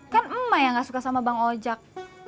kan emak yang gak suka sama bang ojek